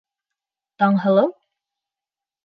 Таңһылыу?